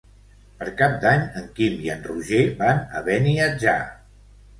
Per Cap d'Any en Guim i en Roger van a Beniatjar.